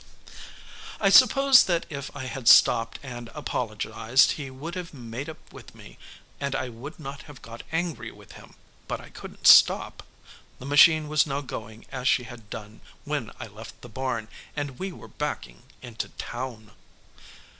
I suppose that if I had stopped and apologized, he would have made up with me, and I would not have got angry with him, but I couldn't stop. The machine was now going as she had done when I left the barn, and we were backing into town.